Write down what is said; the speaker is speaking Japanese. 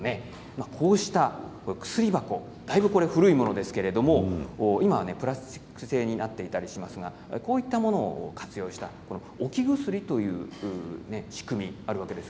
こうした薬箱だいぶ古いものですけれど今はプラスチック製になっていたりしますがこういったものを活用した置き薬という仕組みがあるんです。